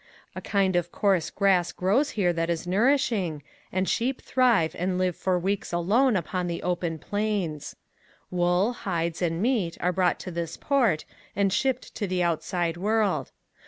A kind of coarse grass grows here that is nourishing and sheep thrive and live for weeks alone on the open plains. Wool, hides and meat are brought to this port and shipped to the outside world.